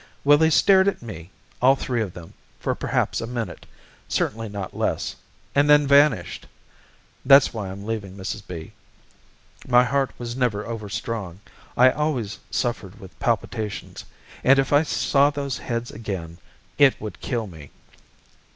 Well, they stared at me, all three of them, for perhaps a minute, certainly not less, and then vanished. That's why I'm leaving, Mrs. B . My heart was never overstrong. I always suffered with palpitations, and if I saw those heads again, it would kill me."